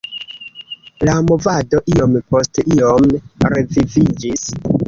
La movado iom post iom reviviĝis.